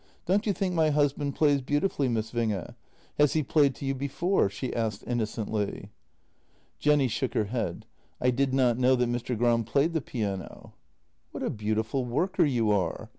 Don't you think my husband plays beautifully, Miss Winge? Has he played to you before?" she asked innocently. Jenny shook her head: "I did not know that Mr. Gram played the piano." " What a beautiful worker you are."